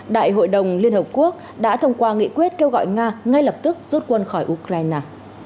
đại hội đồng liên hợp quốc đã thông qua nghị quyết kêu gọi nga ngay lập tức rút quân khỏi ukraine